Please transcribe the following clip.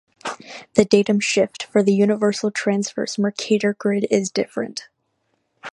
The datum shift for the Universal Transverse Mercator grid is different.